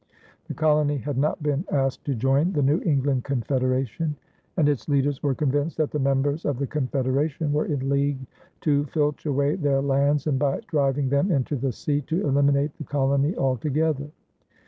The colony had not been asked to join the New England Confederation, and its leaders were convinced that the members of the Confederation were in league to filch away their lands and, by driving them into the sea, to eliminate the colony altogether.